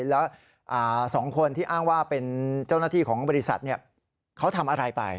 แล้ว๒คนที่อ้างว่าเป็นเจ้าหน้าที่ของบริษัทเขาทำอะไรไป